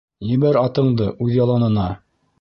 Ебәр атыңды үҙ яланына.